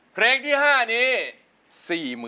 เพลงที่๕นี้